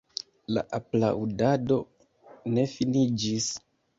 La aplaŭdado ne finiĝis.